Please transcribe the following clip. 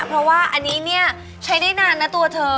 เพราะว่าอันนี้เนี่ยใช้ได้นานนะตัวเธอ